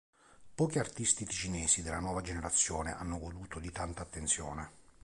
Pochi artisti ticinesi della sua generazione hanno goduto di tanta attenzione.